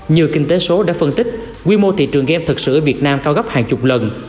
như kinh tế số đã phân tích quy mô thị trường game thật sự ở việt nam cao gấp hàng chục lần